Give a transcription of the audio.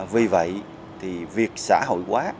vì vậy thì việc xã hội quá